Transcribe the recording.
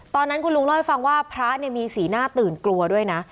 ตอนนั้นคุณลุงเล่าให้ฟังว่าพระมีสีหน้าตื่นกลัวด้วยนะ